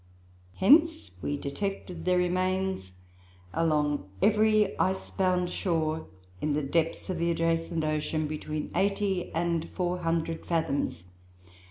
Hence we detected their remains along every icebound shore, in the depths of the adjacent ocean, between 80 and 400 fathoms.